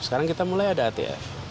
sekarang kita mulai ada atf